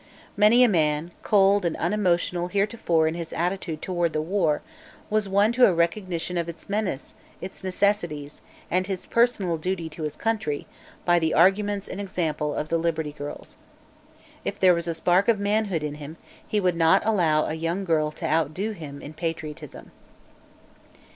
Many a man, cold and unemotional heretofore in his attitude toward the war, was won to a recognition of its menace, its necessities, and his personal duty to his country, by the arguments and example of the Liberty Girls. If there was a spark of manhood in him, he would not allow a young girl to out do him in patriotism.